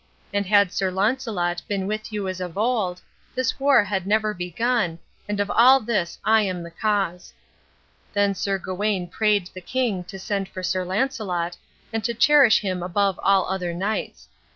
And had Sir Launcelot been with you as of old, this war had never begun, and of all this I am the cause." Then Sir Gawain prayed the king to send for Sir Launcelot, and to cherish him above all other knights.